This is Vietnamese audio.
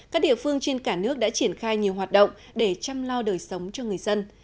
các địa phương trên cả nước đã triển khai nhiều hoạt động để chăm lo đời sống cho người dân